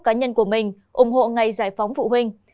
cá nhân của mình ủng hộ ngày giải phóng phụ huynh